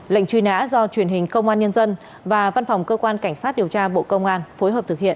lệnh truy nã do truyền hình công an nhân dân và văn phòng cơ quan cảnh sát điều tra bộ công an phối hợp thực hiện